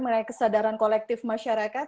mengenai kesadaran kolektif masyarakat